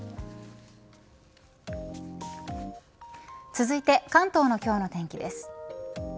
続いて関東の今日の天気です。